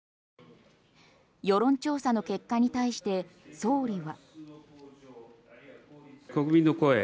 世論調査の結果に対して総理は。